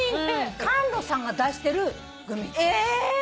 カンロさんが出してるグミッツェル。